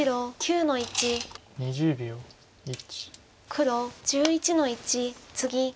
黒１１の一ツギ。